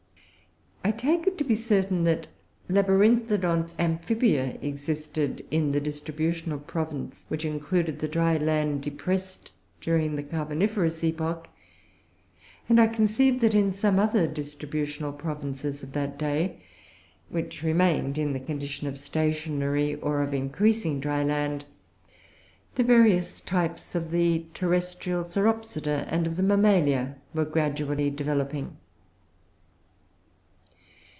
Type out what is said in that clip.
I take it to be certain that Labyrinthodont Amphibia existed in the distributional province which included the dry land depressed during the Carboniferous epoch; and I conceive that, in some other distributional provinces of that day, which remained in the condition of stationary or of increasing dry land, the various types of the terrestrial Sauropsida and of the Mammalia were gradually developing.